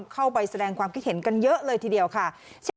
เข้าไปแสดงความคิดเห็นกันเยอะเลยทีเดียวค่ะ